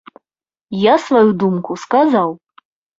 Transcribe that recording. Я сваю думку сказаў.